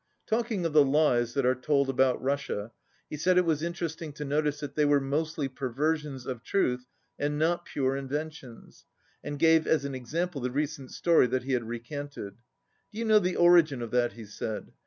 Talking of the lies that are told about Russia, he said it was interesting to notice that they were mostly perversions of truth and not pure inven tions, and gave as an example the recent story that he had recanted. "Do you know the origin of that?" he said.